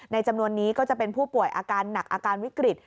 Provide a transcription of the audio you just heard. จำนวนนี้ก็จะเป็นผู้ป่วยอาการหนักอาการวิกฤต